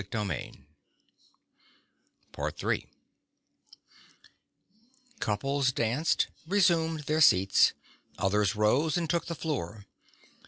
No one ever did it. Couples danced, resumed their seats; others rose and took the floor.